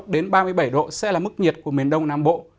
ba mươi sáu đến ba mươi bảy độ sẽ là mức nhiệt của miền đông nam bộ